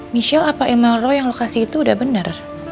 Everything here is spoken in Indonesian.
michelle apa lo yakin email roy yang lo kasih tadi udah bener